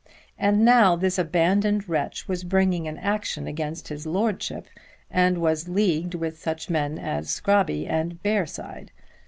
And now this abandoned wretch was bringing an action against his Lordship and was leagued with such men as Scrobby and Bearside!